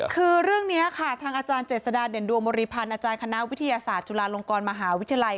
คือเรื่องนี้ค่ะทางอาจารย์เจษฎาเด่นดวงบริพันธ์อาจารย์คณะวิทยาศาสตร์จุฬาลงกรมหาวิทยาลัย